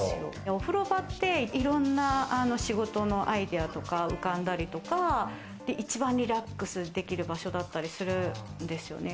お風呂場って、いろんな仕事のアイデアとか浮かんだりとか、一番リラックスできる場所だったりするんですよね。